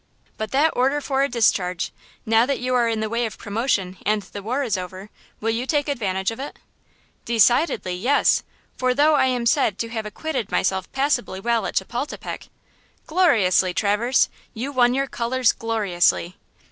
But that order for a discharge! now that you are in the way of promotion and the war is over, will you take advantage of it?" "Decidedly, yes! for though I am said to have acquitted myself passably well at Chapultepec–" "Gloriously, Traverse! You won your colors gloriously!"